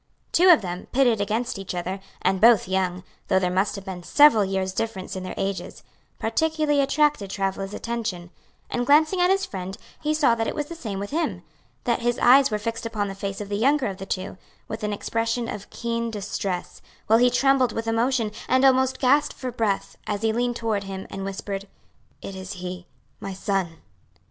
Two of them, pitted against each other, and both young, though there must have been several years' difference in their ages, particularly attracted Travilla's attention; and glancing at his friend, he saw that it was the same with him, that his eyes were fixed upon the face of the younger of the two, with an expression of keen distress, while he trembled with emotion, and almost gasped for breath, as he leaned toward him, and whispered, "It is he my son."